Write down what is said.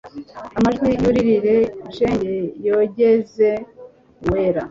amajwi yurire shenge yogeze uwera